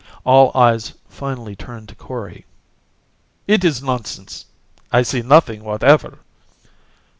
All eyes finally turned to Kori. "It is nonsense." "I see nothing whatever."